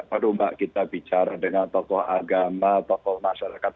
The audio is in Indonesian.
padahal kita bicara dengan tokoh agama tokoh masyarakat